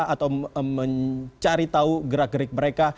atau mencari tahu gerak gerik mereka